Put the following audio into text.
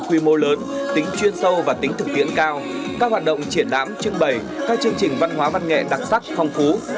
quy mô lớn tính chuyên sâu